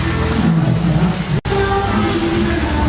สุดท้ายสุดท้ายสุดท้าย